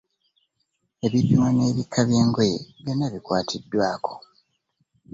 Ebipimo n’ebika by’engoye byonna bikwatiddwako.